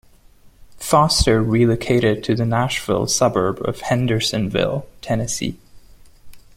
Foster relocated to the Nashville suburb of Hendersonville, Tennessee.